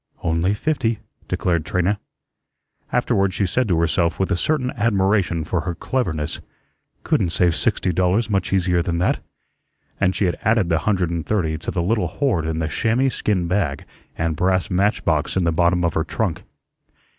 "Only fifty," declared Trina. Afterwards she said to herself with a certain admiration for her cleverness: "Couldn't save sixty dollars much easier than that," and she had added the hundred and thirty to the little hoard in the chamois skin bag and brass match box in the bottom of her trunk.